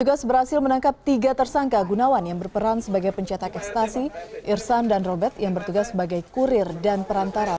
petugas berhasil menangkap tiga tersangka gunawan yang berperan sebagai pencetak ekstasi irsan dan robert yang bertugas sebagai kurir dan perantara